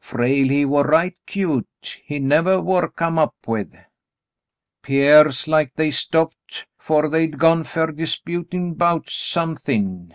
Frale, he war right cute, he nevah war come up with. " 'Pears like they stopped 'fore they'd gone fer, disputin' 'bouts some thin'.